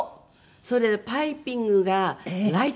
それでパイピングがライトグリーン。